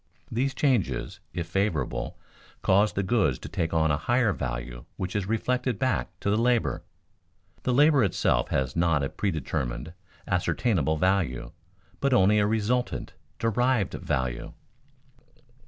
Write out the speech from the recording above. These changes, if favorable, cause the goods to take on a higher value which is reflected back to the labor. The labor itself has not a predetermined, ascertainable value, but only a resultant, derived value.